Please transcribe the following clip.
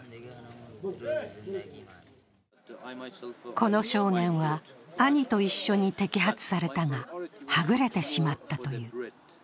この少年は、兄と一緒に摘発されたがはぐれてしまったという。